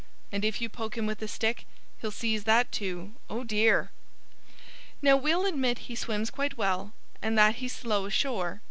And if you poke him with a stick He'll seize that too oh, dear! Now, we'll admit he swims quite well And that he's slow ashore.